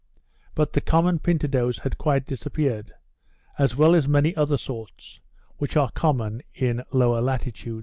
But the common pintadoes had quite disappeared, as well as many other sorts, which are common in lower latitudes.